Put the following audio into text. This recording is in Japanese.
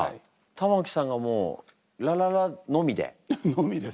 玉置さんがもう「ラララ」のみで？のみです。